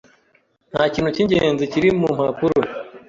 Nta kintu cyingenzi kiri mu mpapuro.